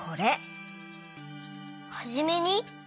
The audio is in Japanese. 「はじめに」？